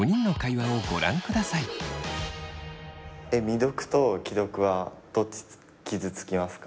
未読と既読はどっち傷つきますか？